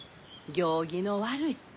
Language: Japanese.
行儀の悪い。